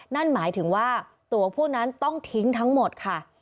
นั่นหมายถึงว่าตัวผู้นั้นต้องทิ้งทั้งหมดค่ะ